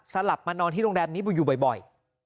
หลับมานอนที่โรงแรมนี้อยู่บ่อย